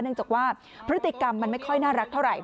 เนื่องจากว่าพฤติกรรมมันไม่ค่อยน่ารักเท่าไหร